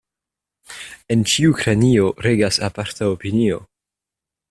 En ĉiu kranio regas aparta opinio.